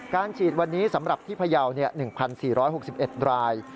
ฉีดวันนี้สำหรับที่พยาว๑๔๖๑ราย